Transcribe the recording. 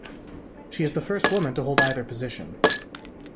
She is the first woman to hold either position.